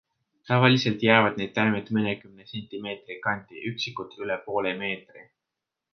Tavaliselt jäävad need taimed mõnekümne sentimeetri kanti, üksikud üle poole meetri.